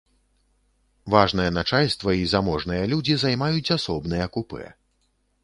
Важнае начальства і заможныя людзі займаюць асобныя купэ.